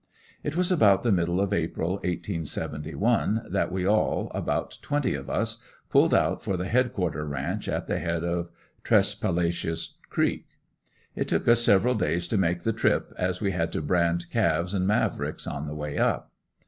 It was about the middle of April, 1871, that we all, about twenty of us, pulled out for the headquarter ranch at the head of Tresspalacious creek. It took us several days to make the trip as we had to brand calves and Mavricks on the way up.